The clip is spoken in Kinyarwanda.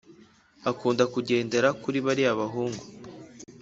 akunda kugendera kuri bariya bahungu